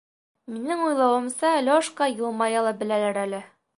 Минең уйлауымса, Лёшка йылмая ла беләлер әле.